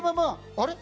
あれ？